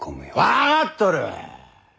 分かっとる！